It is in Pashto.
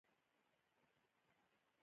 د ثور غار مخې ته یې هګۍ اچولې وه.